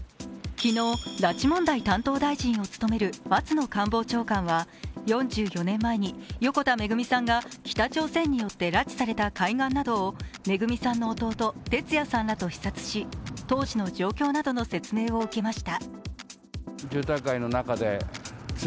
昨日、拉致問題担当大臣を務める松野官房長官は４４年前に横田めぐみさんが北朝鮮などによって拉致された海岸などをめぐみさんの弟・哲也さんらと視察し、当時の状況などの説明を受けました。